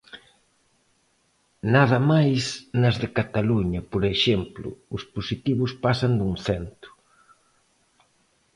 Nada máis nas de Cataluña, por exemplo, os positivos pasan dun cento.